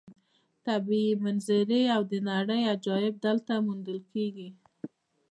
طبیعي منظرې او د نړۍ عجایب دلته موندل کېږي.